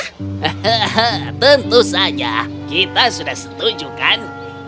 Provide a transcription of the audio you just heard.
hahaha tentu saja kita sudah setuju kan